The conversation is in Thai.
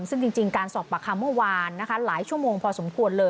ซึ่งจริงการสอบปากคำเมื่อวานนะคะหลายชั่วโมงพอสมควรเลย